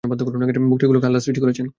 বকরিগুলোকে আল্লাহ সৃষ্টি করেছেন।